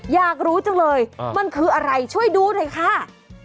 อยากรู้จังเลยมันคืออะไรช่วยดูหน่อยค่ะ